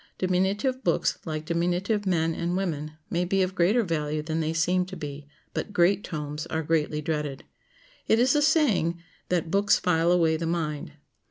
Diminutive books, like diminutive men and women, may be of greater value than they seem to be; but great tomes are greatly dreaded. It is a saying that "books file away the mind."